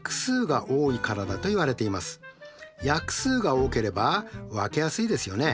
約数が多ければ分けやすいですよね。